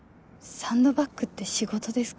サンドバッグって仕事ですか？